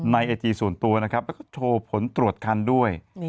ในไอจีส่วนตัวนะครับแล้วก็โชว์ผลตรวจคันด้วย